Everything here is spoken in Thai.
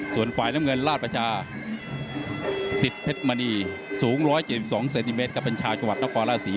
ส่วนฝ่ายน้ำเงินราชประชาสิทธิ์เพชรมณีสูง๑๗๒เซนติเมตรก็เป็นชาวจังหวัดนครราชศรี